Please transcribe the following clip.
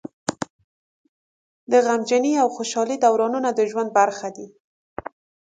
د غمجنۍ او خوشحالۍ دورانونه د ژوند برخه دي.